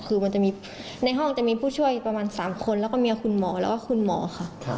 คือมันจะมีในห้องจะมีผู้ช่วยประมาณ๓คนแล้วก็เมียคุณหมอแล้วก็คุณหมอค่ะ